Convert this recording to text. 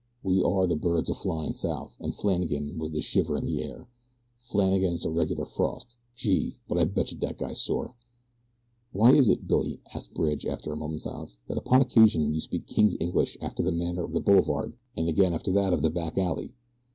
We are the birds a flyin' south, and Flannagan was the shiver in the air. Flannagan is a reg'lar frost. Gee! but I betcha dat guy's sore." "Why is it, Billy," asked Bridge, after a moment's silence, "that upon occasion you speak king's English after the manner of the boulevard, and again after that of the back alley?